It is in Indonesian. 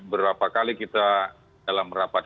berapa kali kita dalam rapat